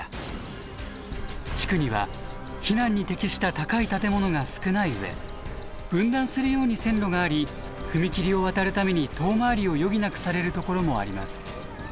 地区には避難に適した高い建物が少ない上分断するように線路があり踏切を渡るために遠回りを余儀なくされるところもあります。